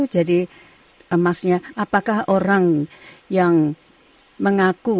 jadi masnya apakah orang yang mengaku